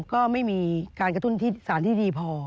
ก็ไม่มีการกระตุ้นที่สารที่ดีพอ